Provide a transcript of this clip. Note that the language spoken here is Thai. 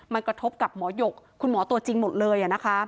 มันกระทบกับหมอหยกคุณหมอตัวจริงหมดเลย